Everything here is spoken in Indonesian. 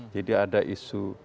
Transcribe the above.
jadi ada isu